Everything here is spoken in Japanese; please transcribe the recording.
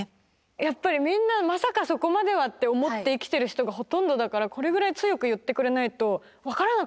やっぱりみんな「まさかそこまでは」って思って生きてる人がほとんどだからこれぐらい強く言ってくれないと分からなかったです。